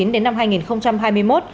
đến năm hai nghìn hai mươi một